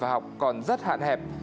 học còn rất hạn hẹp